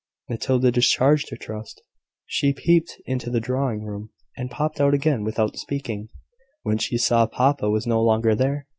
Matilda discharged her trust. She peeped into the drawing room, and popped out again without speaking, when she saw papa was no longer there.